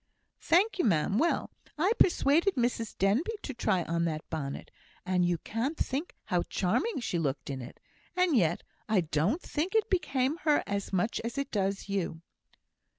"Thank you, ma'am. Well, I persuaded Mrs Denbigh to try on that bonnet, and you can't think how charming she looked in it; and yet I don't think it became her as much as it does you."